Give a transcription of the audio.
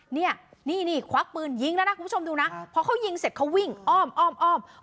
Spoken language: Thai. เนี่ยนี่ควักปืนยิงแล้วนะคุณผู้ชมดูนะพอเขายิงเสร็จเขาวิ่งอ้อมอ้อมอ้อม